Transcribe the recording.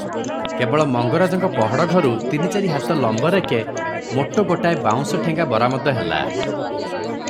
କେବଳ ମଙ୍ଗରାଜଙ୍କ ପହଡ଼ଘରୁ ତିନି ଚାରି ହାତ ଲମ୍ବରେକେ ମୋଟ ଗୋଟାଏ ବାଉଁଶ ଠେଙ୍ଗା ବରାମଦ ହେଲା ।